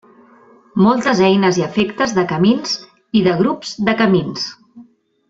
Moltes eines i efectes de camins i de grups de camins.